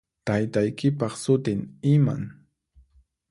Taytaykipaq sutin iman?